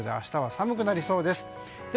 明日は寒くなりそうです。